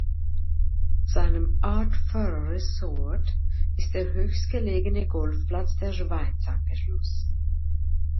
Seinem "Art Furrer Resort" ist der höchstgelegene Golfplatz der Schweiz angeschlossen.